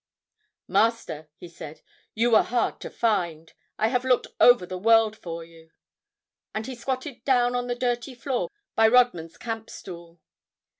"Master," he said, "you were hard to find. I have looked over the world for you." And he squatted down on the dirty floor by Rodman's camp stool.